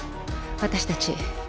私たち。